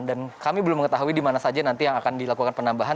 dan kami belum mengetahui dimana saja nanti yang akan dilakukan penambahan